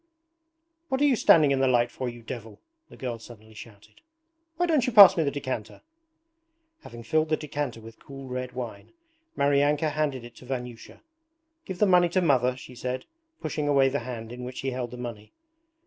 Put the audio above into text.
'What are you standing in the light for, you devil!' the girl suddenly shouted. 'Why don't you pass me the decanter!' Having filled the decanter with cool red wine, Maryanka handed it to Vanyusha. 'Give the money to Mother,' she said, pushing away the hand in which he held the money.